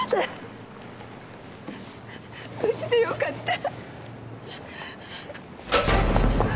無事でよかった。